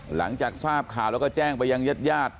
หลังจากทราบข่าวแล้วก็แจ้งไปยังญาติญาติ